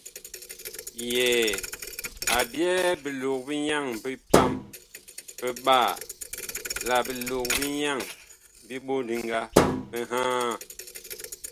Yɛɛ a byɛɛ bilog-bi-yaŋ bi paam biɓaa la bilog-bi-yaŋ bi ɓondiga biŋhaa.